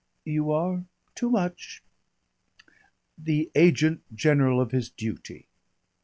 "You are too much the agent general of his duty."